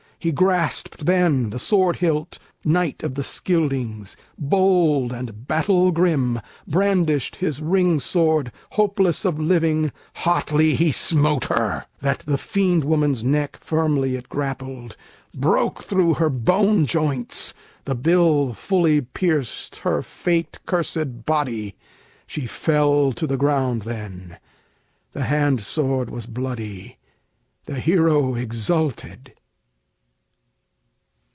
He grasped then the sword hilt, knight of the Scyldings, Bold and battle grim, brandished his ring sword. Hopeless of living, hotly he smote her, That the fiend woman's neck firmly it grappled, Broke through her bone joints, the bill fully pierced her Fate cursed body, she fell to the ground then: The hand sword was bloody, the hero exulted.